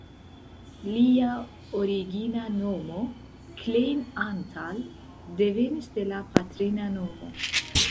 Lia origina nomo "Klein Antal" devenis de la patrina nomo.